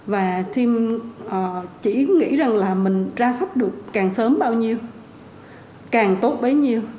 và team chỉ nghĩ rằng là mình ra sách được càng sớm bao nhiêu càng tốt bấy nhiêu